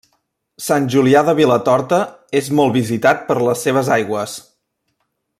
Sant Julià de Vilatorta és molt visitat per les seves aigües.